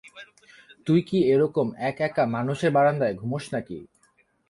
তুই কি এরকম এক-একা মানুষের বারান্দায় ঘুমোস নাকি?